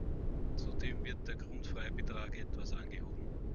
Zudem wird der Grundfreibetrag etwas angehoben.